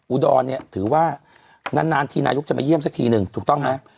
อุดรเนี่ยถือว่านานทีนายกจะมาเยี่ยมสักทีหนึ่งถูกต้องฮะ